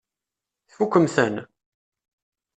Tfukkem-ten?